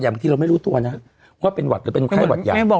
ใหญ่บางทีเราไม่รู้ตัวนะว่าเป็นหวัดหรือเป็นไข้หวัดยังไม่บอก